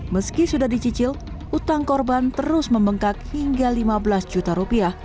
meski sudah dicicil utang korban terus membengkak hingga lima belas juta rupiah